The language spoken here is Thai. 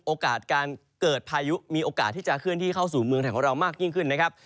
โอกาสการเกิดพายุมีโอกาสที่จะเคลื่อนที่เข้าสู่เมืองไทยของเรามากยิ่งขึ้นนะครับ